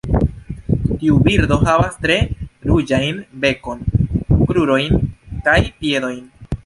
Tiu birdo havas tre ruĝajn bekon, krurojn kaj piedojn.